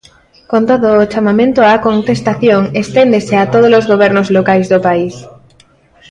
Con todo, o chamamento "á contestación" esténdese a todos os gobernos locais do País.